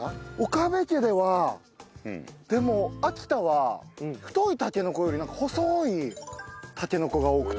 岡部家ではでも秋田は太いたけのこより細いたけのこが多くて。